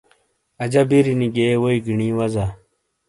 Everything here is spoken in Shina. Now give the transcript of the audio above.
اجا بِیرینی گئیے ووئی گینی وزا۔